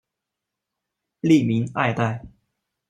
吏民爱戴。